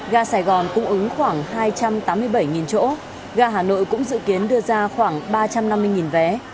gà sài gòn cũng ứng khoảng hai trăm tám mươi bảy chỗ gà hà nội cũng dự kiến đưa ra khoảng ba trăm năm mươi vé